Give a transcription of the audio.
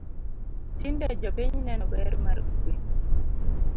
Tinde jopiny neno ber mar kwe